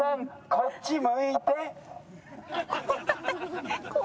こっち向いて。